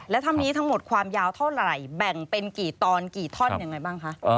แล้วถ้ำนี้ทั้งหมดความยาวเท่าไหร่แบ่งเป็นกี่ตอนกี่ท่อนยังไงบ้างคะ